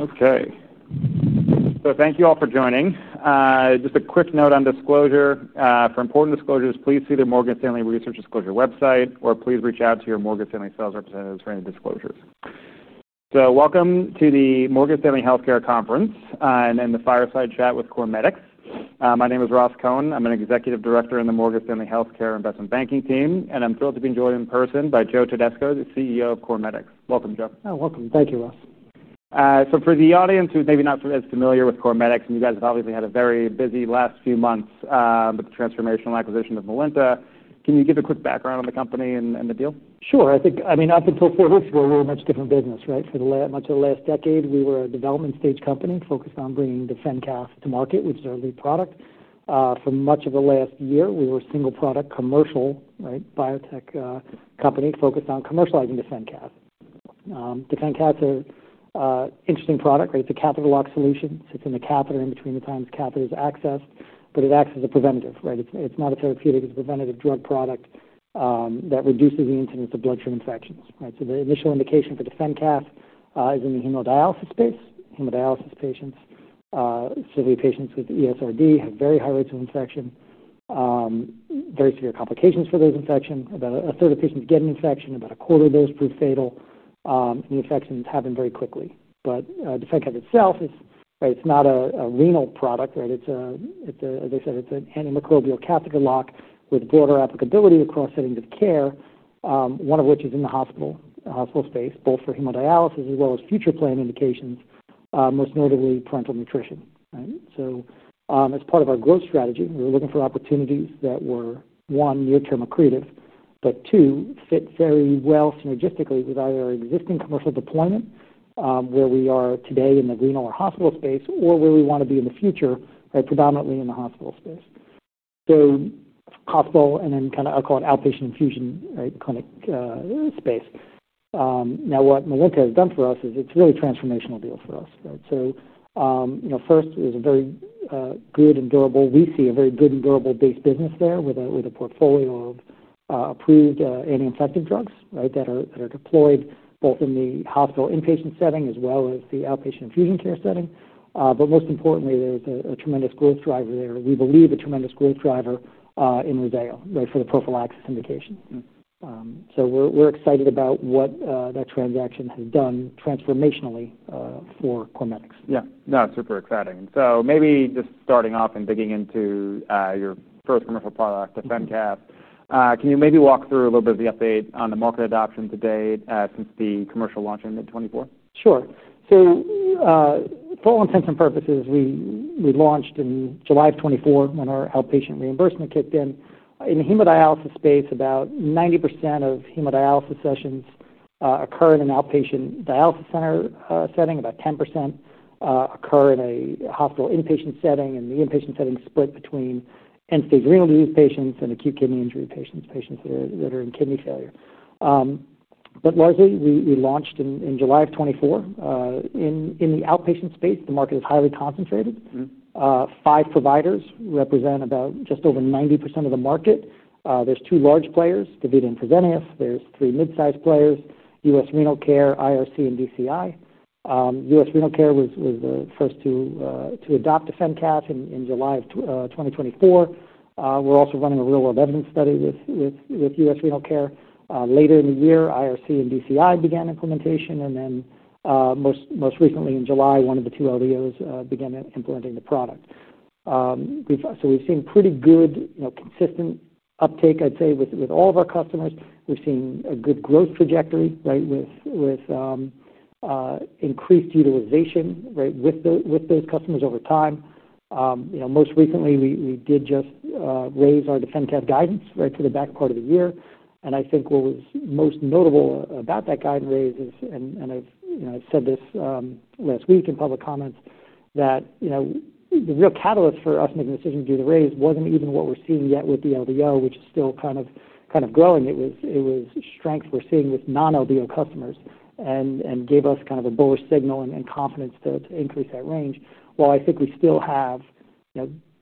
Okay. Thank you all for joining. Just a quick note on disclosure. For important disclosures, please see the Morgan Stanley Research Disclosure website, or please reach out to your Morgan Stanley sales representatives for any disclosures. Welcome to the Morgan Stanley Healthcare Conference and the fireside chat with CorMedix. My name is Ross Cohen. I'm an Executive Director in the Morgan Stanley Healthcare Investment Banking team, and I'm thrilled to be joined in person by Joe Todisco, the CEO of CorMedix. Welcome, Joe. Oh, welcome. Thank you, Ross. For the audience who's maybe not as familiar with CorMedix, you guys have obviously had a very busy last few months with the transformational acquisition of Millenta. Can you give a quick background on the company and the deal? Sure. I think, I mean, I think till four weeks ago, we were a much different business, right? For much of the last decade, we were a development stage company focused on bringing DefenCath to market, which is our lead product. For much of the last year, we were a single product commercial, right, biotech company focused on commercializing DefenCath. DefenCath's an interesting product, right? It's a catheter lock solution. It's in the catheter in between the times the catheter is accessed, but it acts as a preventative, right? It's not a therapeutic. It's a preventative drug product that reduces the incidence of bloodstream infections, right? The initial indication for DefenCath is in the hemodialysis space. Hemodialysis patients, severe patients with ESRD, have very high rates of infection, very severe complications for those infections. About a third of patients get an infection. About a quarter of those prove fatal, and the infections happen very quickly. DefenCath itself is, right, it's not a renal product, right? As I said, it's an antimicrobial catheter lock with broader applicability across settings of care, one of which is in the hospital, the hospital space, both for hemodialysis as well as future planned indications, most notably parenteral nutrition, right? As part of our growth strategy, we were looking for opportunities that were, one, near-term accretive, but two, fit very well synergistically with either our existing commercial deployment, where we are today in the renal or hospital space, or where we want to be in the future, predominantly in the hospital space. Hospital and then kind of, I'll call it outpatient infusion, right, the clinic space. Now what Millenta has done for us is it's really a transformational deal for us, right? First, it was a very good and durable. We see a very good and durable base business there with a portfolio of approved anti-infective drugs that are deployed both in the hospital inpatient setting as well as the outpatient infusion care setting. Most importantly, they're a tremendous growth driver there. We believe a tremendous growth driver in retail, right, for the prophylaxis indication. We're excited about what that transaction has done transformationally for CorMedix. Yeah, no, it's super exciting. Maybe just starting off and digging into your first commercial product, DefenCath, can you maybe walk through a little bit of the update on the market adoption to date since the commercial launch in 2024? Sure. For all intents and purposes, we launched in July of 2024 when our outpatient reimbursement kicked in. In the hemodialysis space, about 90% of hemodialysis sessions occur in an outpatient dialysis center setting. About 10% occur in a hospital inpatient setting. The inpatient setting is split between end-stage renal disease patients and acute kidney injury patients, patients that are in kidney failure. We launched in July of 2024 in the outpatient space. The market is highly concentrated. Five providers represent just over 90% of the market. There are two large players, DaVita and Prevenious. There are three mid-sized players: US Renal Care, IRC, and DCI. US Renal Care was the first to adopt DefenCath in July of 2024. We are also running a real-world evidence study with US Renal Care. Later in the year, IRC and DCI began implementation. Most recently in July, one of the two LDOs began implementing the product. We have seen pretty good, consistent uptake with all of our customers. We have seen a good growth trajectory with increased utilization with those customers over time. Most recently, we did just raise our DefenCath guidance for the back part of the year. What was most notable about that guidance raise is, and I have said this last week in public comments, that the real catalyst for us making the decision to do the raise was not even what we are seeing yet with the LDO, which is still kind of growing. It was strength we are seeing with non-LDO customers and gave us a bullish signal and confidence to increase that range. While I think we still have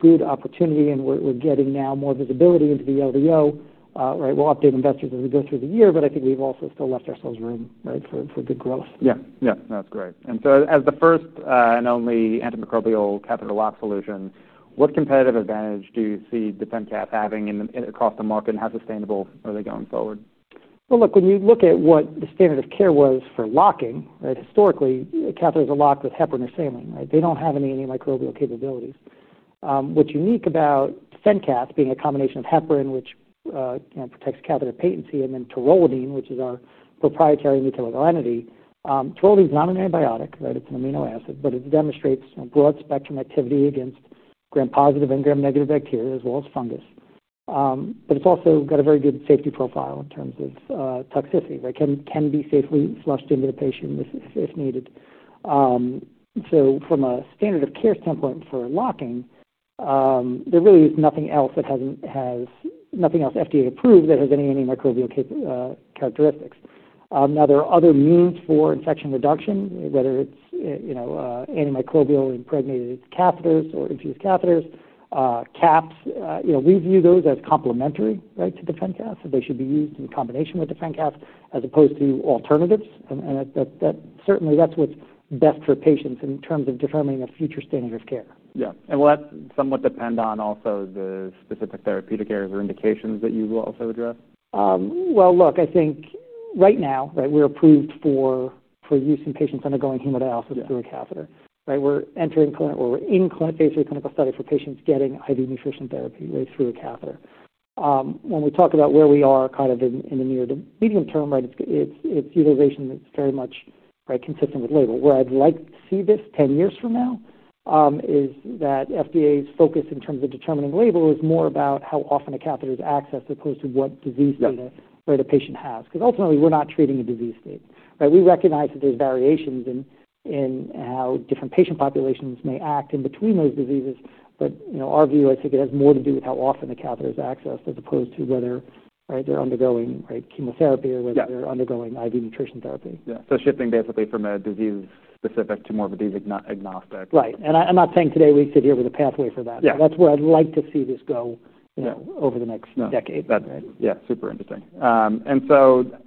good opportunity and we are getting now more visibility into the LDO, we will update investors as we go through the year, but I think we have also still left ourselves room for good growth. Yeah. Yeah. No, that's great. As the first and only antimicrobial catheter lock solution, what competitive advantage do you see DefenCath having across the market, and how sustainable are they going forward? When you look at what the standard of care was for locking, right, historically, catheters are locked with heparin or saline, right? They don't have any antimicrobial capabilities. What's unique about DefenCath being a combination of heparin, which protects catheter patency, and then taurolidine, which is our proprietary mucilaginous entity, taurolidine is not an antibiotic, right? It's an amino acid, but it demonstrates a broad spectrum activity against gram-positive and gram-negative bacteria as well as fungus. It's also got a very good safety profile in terms of toxicity, right? Can be safely flushed into the patient if needed. From a standard of care standpoint for locking, there really is nothing else FDA-approved that has any antimicrobial characteristics. There are other means for infection reduction, whether it's antimicrobial impregnated catheters or infused catheters, caps. We view those as complementary, right, to DefenCath, so they should be used in combination with DefenCath as opposed to alternatives. That certainly, that's what's best for patients in terms of determining a future standard of care. Will that somewhat depend on also the specific therapeutic areas or indications that you will also address? I think right now we're approved for use in patients undergoing hemodialysis through a catheter. We're entering clinic or we're in clinic phase 3 clinical study for patients getting IV nutrition therapy through a catheter. When we talk about where we are in the near to medium term, it's utilization that's very much consistent with label. Where I'd like to see this 10 years from now is that FDA's focus in terms of determining label is more about how often a catheter is accessed as opposed to what disease state a patient has. Because ultimately, we're not treating a disease state. We recognize that there's variations in how different patient populations may act in between those diseases. Our view is it has more to do with how often the catheter is accessed as opposed to whether they're undergoing chemotherapy or whether they're undergoing IV nutrition therapy. Yeah, shifting basically from a disease-specific to more of a disease-agnostic. Right. I'm not saying today we sit here with a pathway for that. That's where I'd like to see this go over the next decade. Super interesting.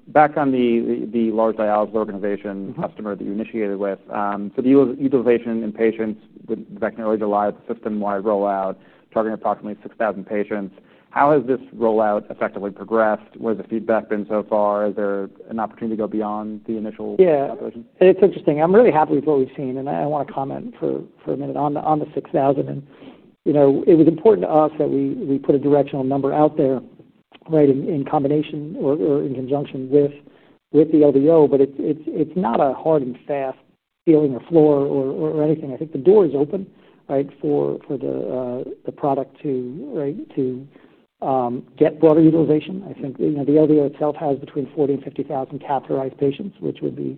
Back on the large dialysis organization customer that you initiated with, for the utilization in patients with the vaccinated delight system-wide rollout, targeting approximately 6,000 patients, how has this rollout effectively progressed? What has the feedback been so far? Is there an opportunity to go beyond the initial calculation? Yeah. It's interesting. I'm really happy with what we've seen. I want to comment for a minute on the 6,000. It was important to us that we put a directional number out there, in combination or in conjunction with the LDO. It's not a hard and fast ceiling or floor or anything. I think the door is open for the product to get broader utilization. I think the LDO itself has between 40,000 and 50,000 catheterized patients, which would be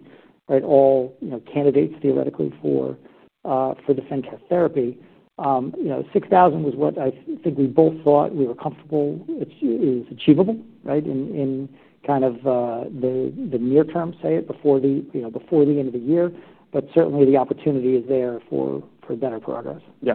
all candidates theoretically for DefenCath therapy. 6,000 was what I think we both thought we were comfortable is achievable, in the near term, say before the end of the year. Certainly, the opportunity is there for better progress. Yeah,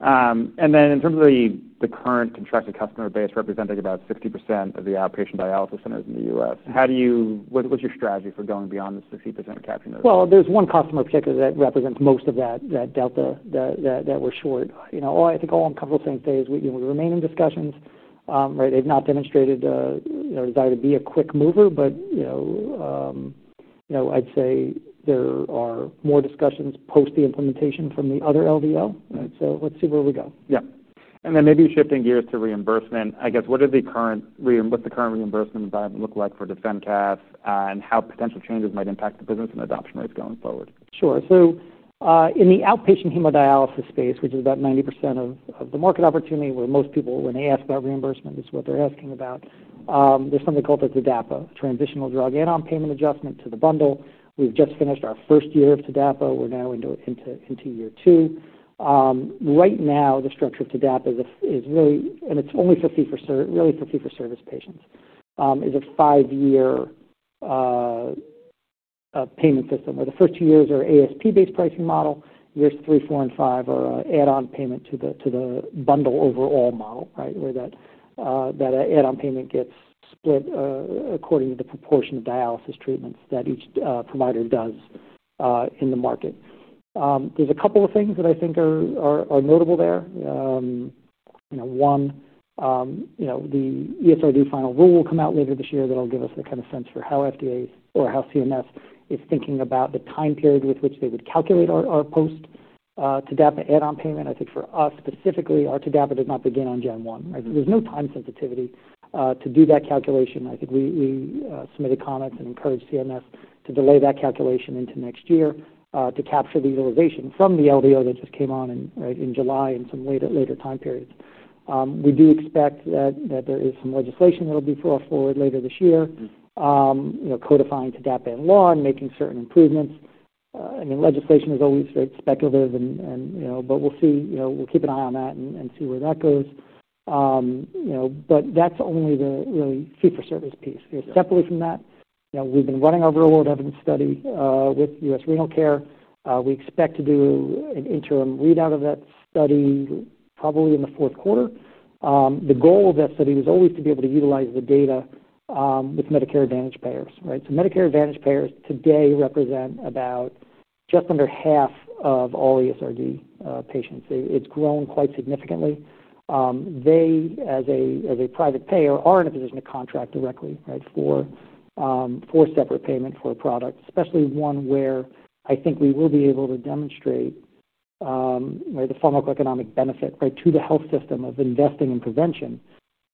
in terms of the current contracted customer base, representing about 60% of the outpatient dialysis centers in the U.S., how do you, what's your strategy for going beyond the 60% of catheters? There is one customer particularly that represents most of that delta that we're short. All I'm comfortable saying today is we remain in discussions, right? They've not demonstrated a desire to be a quick mover, but I'd say there are more discussions post the implementation from the other LDO, right? Let's see where we go. Yeah. Maybe shifting gears to reimbursement, I guess, what does the current reimbursement environment look like for DefenCath and how potential changes might impact the business and adoption rates going forward? Sure. In the outpatient hemodialysis space, which is about 90% of the market opportunity, where most people, when they ask about reimbursement, this is what they're asking about, there's something called the TDAPA, Transitional Drug Add-on Payment Adjustment to the bundle. We've just finished our first year of TDAPA. We're now into year two. Right now, the structure of TDAPA is really, and it's only for fee-for-service patients, a five-year payment system, where the first two years are ASP-based pricing model. Years three, four, and five are an add-on payment to the bundle overall model, where that add-on payment gets split according to the proportion of dialysis treatments that each provider does in the market. There are a couple of things that I think are notable there. One, the ESRD final rule will come out later this year that will give us a kind of sense for how CMS is thinking about the time period with which they would calculate our post-TDAPA add-on payment. I think for us specifically, our TDAPA does not begin on Gen 1, right? There's no time sensitivity to do that calculation. I think we submitted comments and encouraged CMS to delay that calculation into next year to capture the utilization from the LDO that just came on in July and some later time periods. We do expect that there is some legislation that will be brought forward later this year codifying TDAPA in law and making certain improvements. Legislation is always speculative, but we'll see, we'll keep an eye on that and see where that goes. That's only the fee-for-service piece. Separately from that, we've been running our real-world evidence study with US Renal Care. We expect to do an interim readout of that study probably in the fourth quarter. The goal of that study was always to be able to utilize the data with Medicare Advantage payers. Medicare Advantage payers today represent about just under half of all ESRD patients. It's grown quite significantly. They, as a private payer, are in a position to contract directly for a separate payment for a product, especially one where I think we will be able to demonstrate the pharmaco-economic benefit to the health system of investing in prevention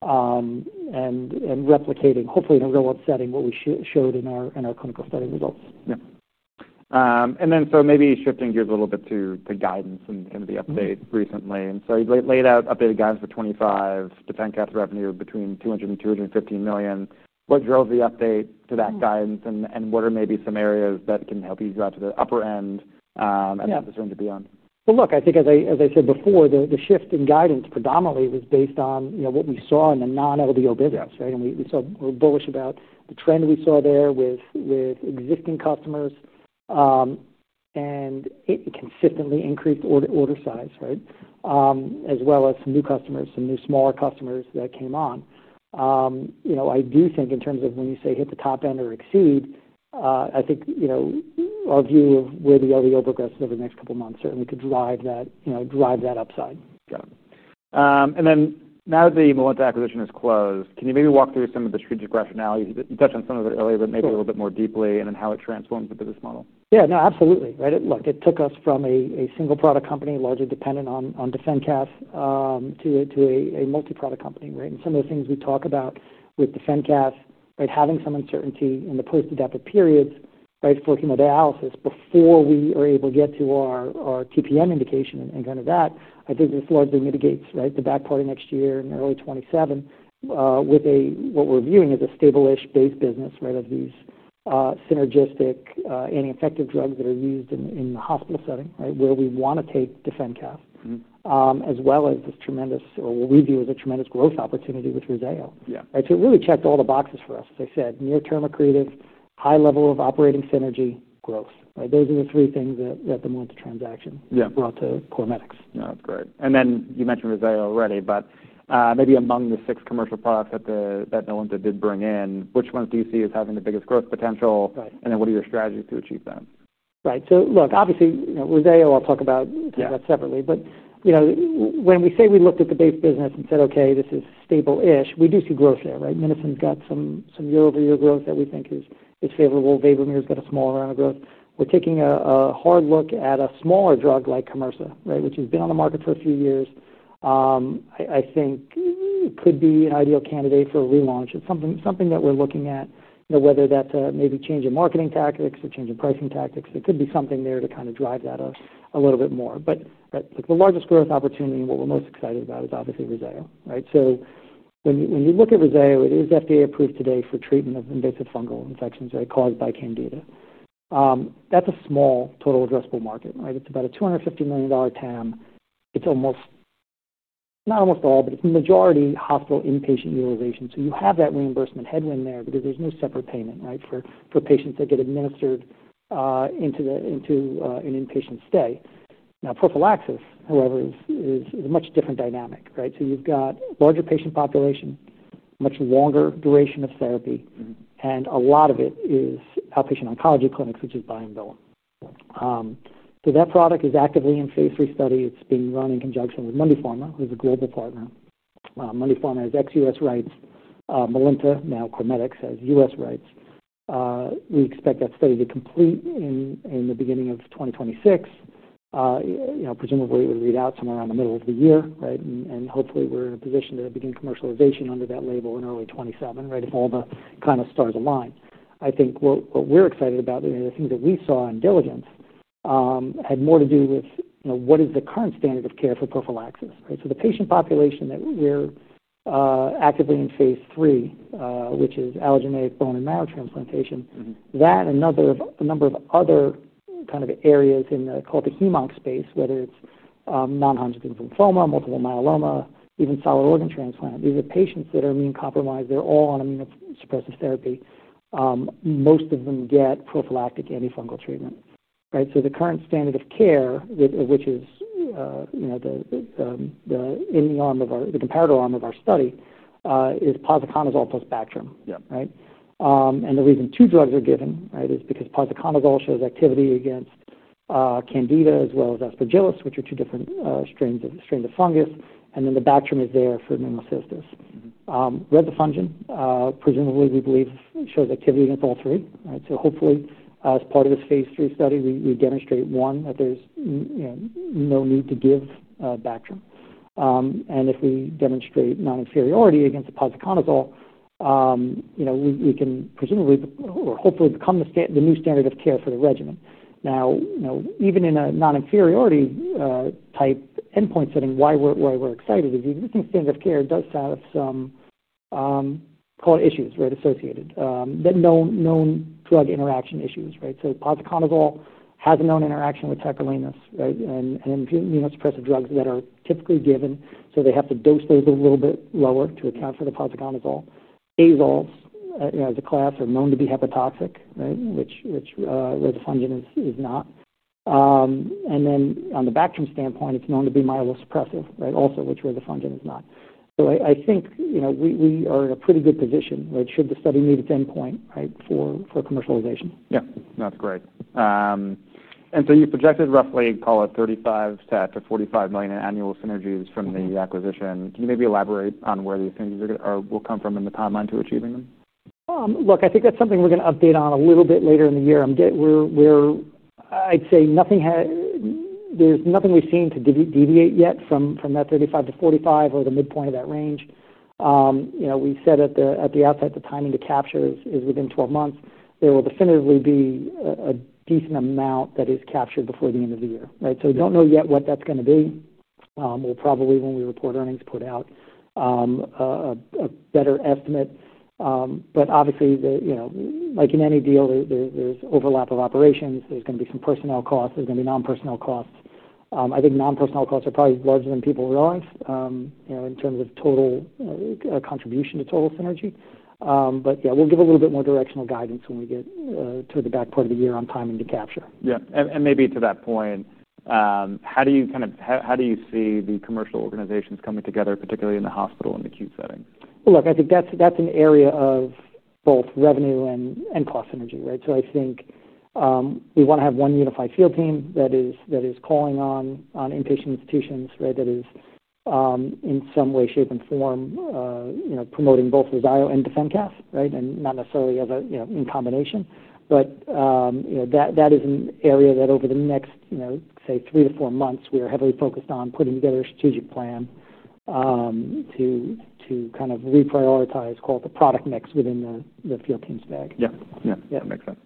and replicating, hopefully, in a real-world setting what we showed in our clinical study results. Yeah, maybe shifting gears a little bit to guidance and kind of the update recently. You laid out updated guidance for 2025 DefenCath revenue between $200 million and $250 million. What drove the update to that guidance? What are maybe some areas that can help you drive to the upper end, and the trend to beyond? I think as I said before, the shift in guidance predominantly was based on what we saw in the non-LDO business, right? We're bullish about the trend we saw there with existing customers, and it consistently increased order size, as well as some new customers, some new smaller customers that came on. I do think in terms of when you say hit the top end or exceed, our view of where the LDO progresses over the next couple of months certainly could drive that, drive that upside. Got it. Now that the Millenta acquisition is closed, can you maybe walk through some of the strategic rationalities? You touched on some of it earlier, but maybe a little bit more deeply, and then how it transformed the business model? Yeah. No, absolutely. Right. Look, it took us from a single product company, largely dependent on DefenCath, to a multi-product company, right? Some of the things we talk about with DefenCath, having some uncertainty in the post-adaptive periods for hemodialysis before we are able to get to our TPN indication and kind of that, I think this largely mitigates the back part of next year and early 2027, with what we're viewing as a stable base business of these synergistic, anti-infective drugs that are used in the hospital setting, where we want to take DefenCath, as well as this tremendous, or what we view as a tremendous growth opportunity with Roseo. Yeah, right? It really checked all the boxes for us, as I said, near-term accretive, high level of operating synergy, growth, right? Those are the three things that the Millenta transaction brought to CorMedix. That's great. You mentioned Roseo already, but maybe among the six commercial products that Millenta did bring in, which ones do you see as having the biggest growth potential? What are your strategies to achieve that? Right. So look, obviously, you know, Roseo, I'll talk about that separately. When we say we looked at the base business and said, "Okay, this is stable-ish," we do see growth there, right? Minocin got some year-over-year growth that we think is favorable. VaporMir got a smaller amount of growth. We're taking a hard look at a smaller drug like Commerza, which has been on the market for a few years. I think it could be an ideal candidate for a relaunch. It's something that we're looking at, whether that's maybe a change in marketing tactics or change in pricing tactics. It could be something there to kind of drive that a little bit more. The largest growth opportunity and what we're most excited about is obviously Roseo, right? When you look at Roseo, it is FDA-approved today for treatment of invasive fungal infections caused by Candida. That's a small total addressable market, right? It's about a $250 million TAM. It's almost, not almost all, but it's majority hospital inpatient utilization. You have that reimbursement headwind there because there's no separate payment for patients that get administered into an inpatient stay. Prophylaxis, however, is a much different dynamic, right? You've got a larger patient population, a much longer duration of therapy, and a lot of it is outpatient oncology clinics, which is buy and bill. That product is actively in phase 3 study. It's being run in conjunction with Mundipharma, who is a global partner. Mundipharma has ex-U.S. rights. Millenta, now CorMedix, has U.S. rights. We expect that study to complete in the beginning of 2026. Presumably, it would read out somewhere around the middle of the year, right? Hopefully, we're in a position to begin commercialization under that label in early 2027, if all the kind of stars align. I think what we're excited about, the things that we saw in diligence, had more to do with what is the current standard of care for prophylaxis, right? The patient population that we're actively in phase 3, which is allogeneic bone and marrow transplantation, that and a number of other kind of areas in the, call it, the hem-onc space, whether it's non-Hodgkin's lymphoma, multiple myeloma, even solid organ transplant. These are patients that are immune-compromised. They're all on immunosuppressive therapy. Most of them get prophylactic antifungal treatment, right? The current standard of care, which is in the arm of our comparator arm of our study, is posaconazole plus Bactrim, right? The reason two drugs are given is because posaconazole shows activity against Candida as well as Aspergillus, which are two different strains of fungus. The Bactrim is there for pneumocystis. Roseo, presumably, we believe shows activity against ulcerate, right? Hopefully, as part of this phase 3 study, we demonstrate, one, that there's no need to give Bactrim. If we demonstrate non-inferiority against the posaconazole, we can presumably or hopefully become the new standard of care for the regimen. Now, even in a non-inferiority type endpoint setting, why we're excited is the existing standard of care does have some, call it issues, associated, that known drug interaction issues. Posaconazole has a known interaction with tacrolimus and immunosuppressive drugs that are typically given. They have to dose those a little bit lower to account for the posaconazole. Azoles, as a class, are known to be hepatotoxic, which Roseo is not. On the Bactrim standpoint, it's known to be myelosuppressive, also, which Roseo is not. I think we are in a pretty good position, should the study meet its endpoint, for commercialization. Yeah, that's great. You projected roughly, call it $35 million to $45 million in annual synergies from the acquisition. Can you maybe elaborate on where these synergies will come from and the timeline to achieving them? I think that's something we're going to update on a little bit later in the year. I'd say there's nothing we've seen to deviate yet from that $35 to $45 million or the midpoint of that range. You know, we said at the outset the timing to capture is within 12 months. There will definitively be a decent amount that is captured before the end of the year, right? We don't know yet what that's going to be. We'll probably, when we report earnings, put out a better estimate. Obviously, like in any deal, there's overlap of operations. There's going to be some personnel costs. There's going to be non-personnel costs. I think non-personnel costs are probably larger than people realize, in terms of total contribution to total synergy. We'll give a little bit more directional guidance when we get toward the back part of the year on timing to capture. Yeah. Maybe to that point, how do you kind of see the commercial organizations coming together, particularly in the hospital and acute setting? I think that's an area of both revenue and cost synergy, right? I think we want to have one unified field team that is calling on inpatient institutions, right, that is, in some way, shape, and form, you know, promoting both Roseo and DefenCath, right, and not necessarily as a, you know, in combination. That is an area that over the next, you know, say, three to four months, we are heavily focused on putting together a strategic plan to kind of reprioritize, call it the product mix within the field team's bag. Yeah. That makes sense.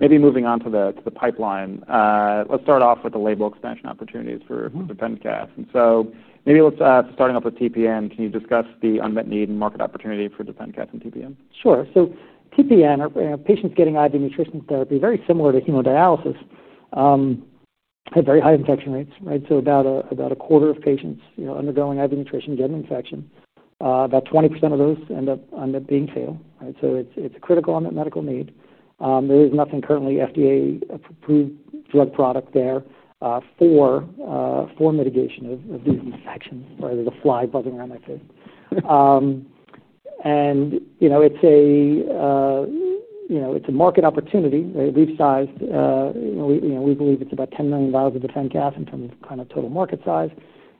Maybe moving on to the pipeline, let's start off with the label expansion opportunities for DefenCath. Starting off with TPN, can you discuss the unmet need and market opportunity for DefenCath in TPN? Sure. TPN, or patients getting IV nutrition therapy, very similar to hemodialysis, have very high infection rates, right? About a quarter of patients undergoing IV nutrition get an infection. About 20% of those end up being fatal. It's a critical unmet medical need. There is nothing currently FDA-approved drug product there for mitigation of these infections, right? There's a fly buzzing around my face. It's a market opportunity, right, leaf-sized. We believe it's about 10 million vials of DefenCath in terms of total market size.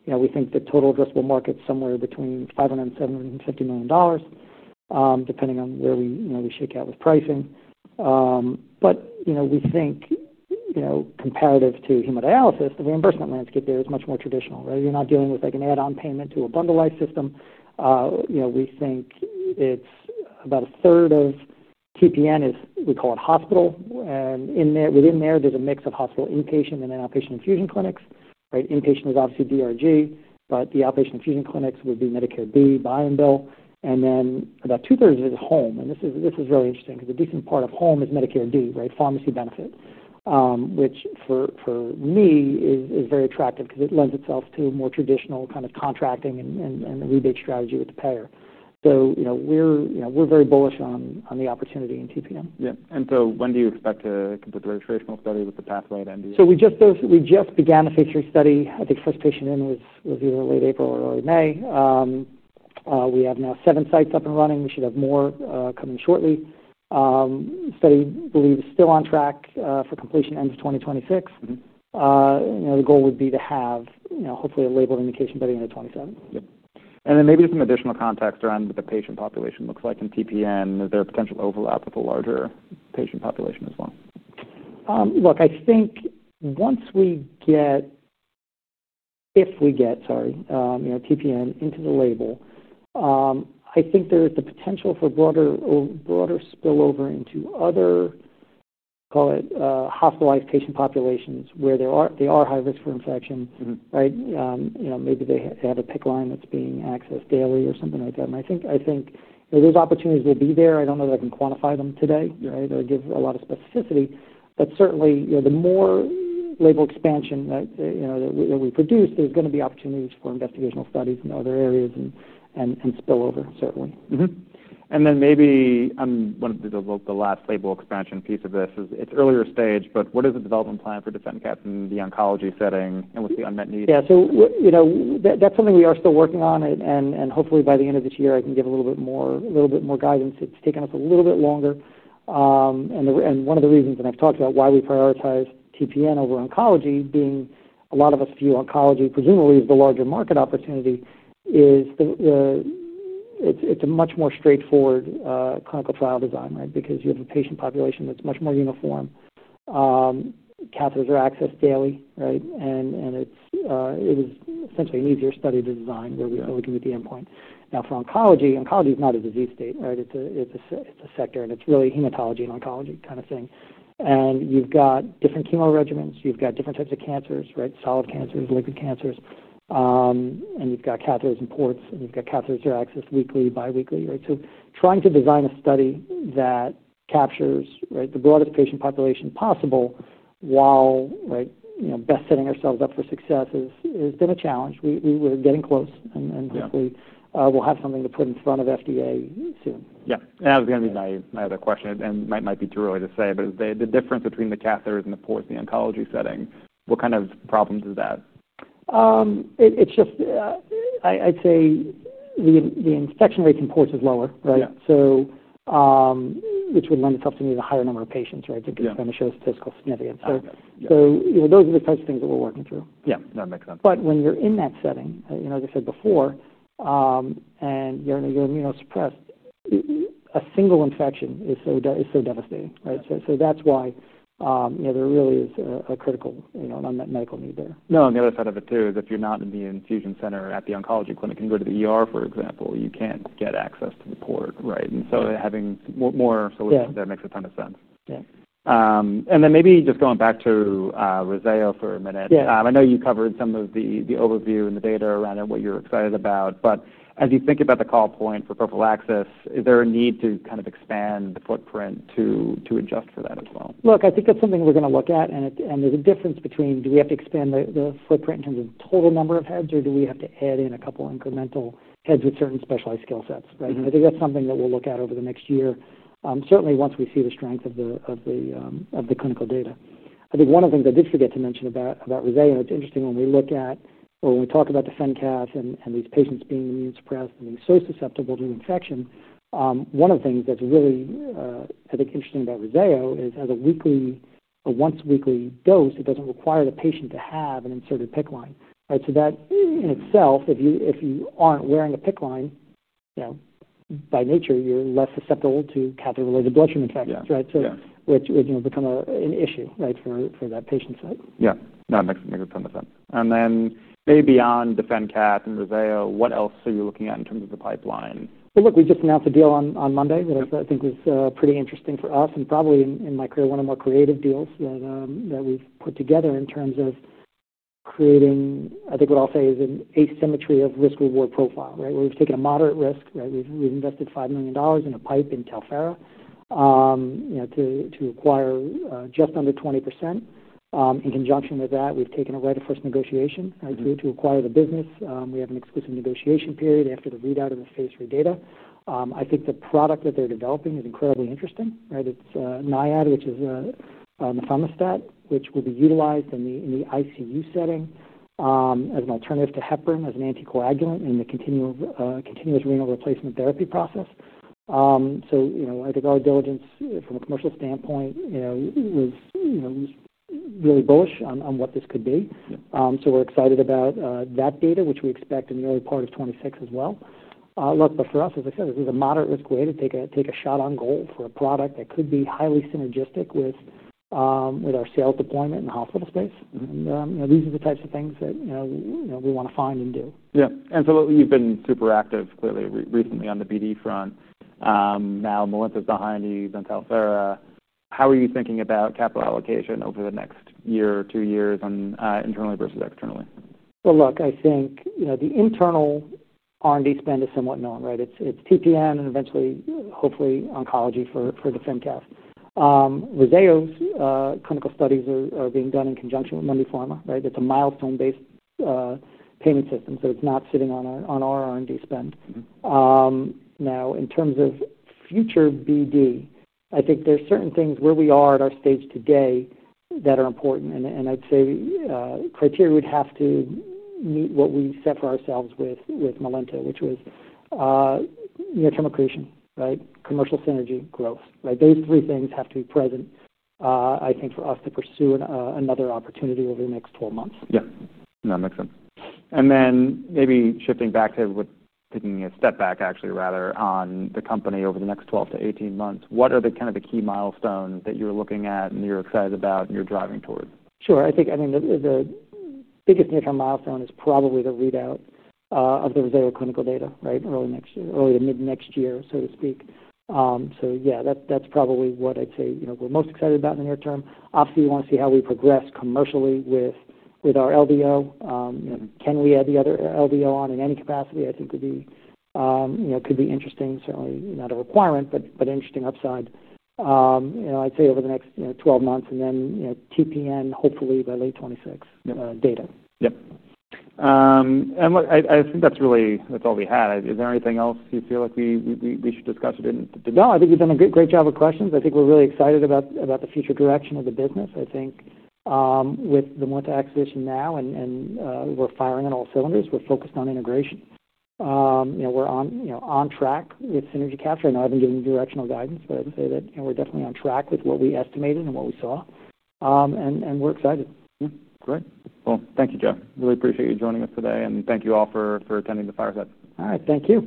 We think the total addressable market is somewhere between $500 million and $750 million, depending on where we shake out with pricing. We think, comparative to hemodialysis, the reimbursement landscape there is much more traditional, right? You're not dealing with an add-on payment to a bundle-like system. We think it's about a third of TPN is, we call it hospital. Within there, there's a mix of hospital inpatient and outpatient infusion clinics, right? Inpatient is obviously DRG, but the outpatient infusion clinics would be Medicare B, buy and bill. About two-thirds is home. This is really interesting because a decent part of home is Medicare D, pharmacy benefit, which for me is very attractive because it lends itself to more traditional contracting and rebate strategy with the payer. We're very bullish on the opportunity in TPN. When do you expect to complete the registration study with the pathway then? We just began the phase 3 study. I think first patient in was either late April or early May. We have now seven sites up and running. We should have more coming shortly. Study is still on track for completion end of 2026. You know, the goal would be to have, you know, hopefully, a labeled indication by the end of 2027. Maybe just some additional context around what the patient population looks like in TPN. Is there a potential overlap with the larger patient population as well? I think once we get TPN into the label, there is the potential for spillover into other, call it, hospitalized patient populations where they are high risk for infection, right? Maybe they have a PICC line that's being accessed daily or something like that. I think those opportunities will be there. I don't know that I can quantify them today or give a lot of specificity. Certainly, the more label expansion that we produce, there's going to be opportunities for investigational studies in other areas and spillover, certainly. Maybe I'm one of the last label expansion piece of this. It's earlier stage, but what is the development plan for DefenCath in the oncology setting and what's the unmet need? Yeah. That's something we are still working on, and hopefully, by the end of this year, I can give a little bit more guidance. It's taken a little bit longer, and one of the reasons, and I've talked about why we prioritize TPN over oncology, being a lot of us view oncology, presumably, as the larger market opportunity, is it's a much more straightforward clinical trial design, right, because you have a patient population that's much more uniform. Catheters are accessed daily, right? It's essentially an easier study to design where we can meet the endpoint. For oncology, oncology is not a disease state, right? It's a sector, and it's really hematology and oncology kind of thing. You've got different chemo regimens. You've got different types of cancers, right? Solid cancers, liquid cancers. You've got catheters and ports, and you've got catheters that are accessed weekly, biweekly, right? Trying to design a study that captures the broadest patient population possible while best setting ourselves up for success has been a challenge. We're getting close, and hopefully, we'll have something to put in front of FDA soon. Yeah, that was going to be my other question. It might be too early to say, but is the difference between the catheters and the ports in the oncology setting, what kind of problems is that? I'd say the infection rates in ports is lower, right? Which would lend itself to meet a higher number of patients, right? I think it's going to show statistical significance. Those are the types of things that we're working through. Yeah, no, it makes sense. When you're in that setting, like I said before, and you're immunosuppressed, a single infection is so devastating, right? That's why there really is a critical, unmet medical need there. No, on the other side of it, too, is if you're not in the infusion center at the oncology clinic and go to the, for example, you can't get access to the port, right? Having more, that makes a ton of sense. Maybe just going back to Roseo for a minute. I know you covered some of the overview and the data around it, what you're excited about. As you think about the call point for prophylaxis, is there a need to kind of expand the footprint to adjust for that as well? Look, I think that's something we're going to look at. There's a difference between, do we have to expand the footprint in terms of total number of heads, or do we have to add in a couple incremental heads with certain specialized skill sets, right? I think that's something that we'll look at over the next year, certainly once we see the strength of the clinical data. One of the things I did forget to mention about Roseo, and it's interesting when we look at or when we talk about DefenCath and these patients being immune suppressed and being so susceptible to an infection, one of the things that's really, I think, interesting about Roseo is as a weekly or once weekly dose, it doesn't require the patient to have an inserted PICC line, right? That in itself, if you aren't wearing a PICC line, you know, by nature, you're less susceptible to catheter-related bloodstream infections, right? Which, you know, become an issue, right, for that patient site. Yeah. No, it makes a ton of sense. Maybe beyond DefenCath and Roseo, what else are you looking at in terms of the pipeline? Look, we just announced a deal on Monday that I think was pretty interesting for us and probably in my career, one of the more creative deals that we've put together in terms of creating, I think what I'll say is an asymmetry of risk-reward profile, right, where we've taken a moderate risk, right? We've invested $5 million in a PIPE in Telferra to acquire just under 20%. In conjunction with that, we've taken a right of first negotiation to acquire the business. We have an exclusive negotiation period after the readout of the phase 3 data. I think the product that they're developing is incredibly interesting, right? It's NIAD, which is a thermostat, which will be utilized in the ICU setting, as an alternative to heparin as an anticoagulant in the continuous renal replacement therapy process. I think our diligence from a commercial standpoint was really bullish on what this could be. We're excited about that data, which we expect in the early part of 2026 as well. For us, as I said, this is a moderate risk way to take a shot on goal for a product that could be highly synergistic with our sales deployment in the hospital space. These are the types of things that we want to find and do. Yeah. You've been super active, clearly, recently on the BD front. Now Millenta's behind you. You've done Telferra. How are you thinking about capital allocation over the next year or two years on internally versus externally? I think you know the internal R&D spend is somewhat known, right? It's TPN and eventually, hopefully, oncology for DefenCath. Roseo's clinical studies are being done in conjunction with Mundipharma, right? It's a milestone-based payment system. It's not sitting on our R&D spend. Now, in terms of future BD, I think there's certain things where we are at our stage today that are important. I'd say criteria would have to meet what we set for ourselves with Millenta, which was near-term accretion, commercial synergy, growth. Those three things have to be present, I think, for us to pursue another opportunity over the next 12 months. That makes sense. Maybe shifting back to taking a step back, actually, rather, on the company over the next 12 to 18 months, what are the key milestones that you're looking at, you're excited about, and you're driving toward? Sure. I think the biggest near-term milestone is probably the readout of the Roseo clinical data, right, early next year, early to mid next year, so to speak. That's probably what I'd say we're most excited about in the near term. Obviously, you want to see how we progress commercially with our LDO. Can we add the other LDO on in any capacity? I think it could be interesting, certainly not a requirement, but an interesting upside. I'd say over the next 12 months and then TPN, hopefully, by late 2026, data. Yeah. I think that's really all we had. Is there anything else you feel like we should discuss or didn't? No, I think you've done a great job with questions. I think we're really excited about the future direction of the business. I think, with the Millenta acquisition now, we're firing on all cylinders, we're focused on integration. We're on track with synergy capture. I know I've been giving directional guidance, but I would say that we're definitely on track with what we estimated and what we saw, and we're excited. Yeah. Great. Thank you, Joe. Really appreciate you joining us today. Thank you all for attending the fireside. All right. Thank you.